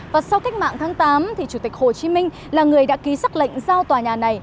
và sau cách mạng tháng tám chủ tịch hồ chí minh là người đã ký xác lệnh giao tòa nhà này